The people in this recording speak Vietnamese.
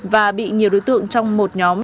và bị nhiều đối tượng trong một nhóm